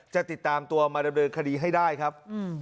จะติดตามตัวมาดำเนินคดีให้ได้ครับ